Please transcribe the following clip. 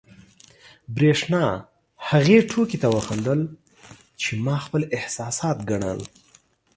برېښنا هغې ټوکې ته وخندل، چې ما خپل احساسات ګڼل.